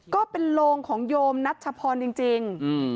ก็เป็นโรงของโยมนัชพรจริง